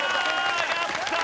上がった！